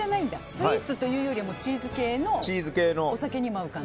スイーツというよりチーズ系のお酒にも合う感じ？